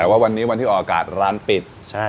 แต่ว่าวันนี้วันที่ออกอากาศร้านปิด